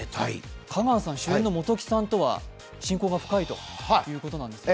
香川さん、主演の本木さんは親交が深いということなんですね。